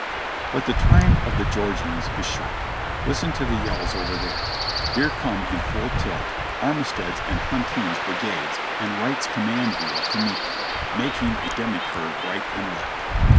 But the triumph of the Georgians is short. Listen to the yells over there! Here come in full tilt Armistead's and Hunton's bri gades and Wright's command wheel to meet them, making a demi curve right and left.